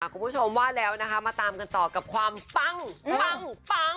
คุณผู้ชมว่าแล้วนะคะมาตามกันต่อกับความปั้งปังปัง